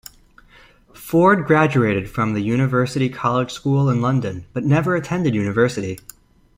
Ford graduated from the University College School in London, but never attended university.